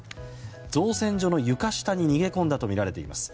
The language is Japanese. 造船所の床下に逃げ込んだとみられています。